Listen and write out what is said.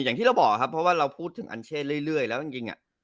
อย่างที่เราบอกครับเพราะว่าเราพูดถึงอัญเช่เรื่อยแล้วจริงอ่ะ